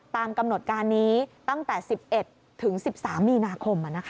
ตามกำหนดการนี้ตั้งแต่๑๑ถึง๑๓มีนาคม